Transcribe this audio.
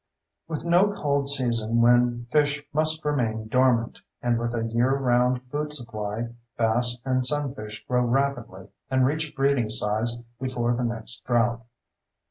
With no cold season when fish must remain dormant, and with a year round food supply, bass and sunfish grow rapidly and reach breeding size before the next drought.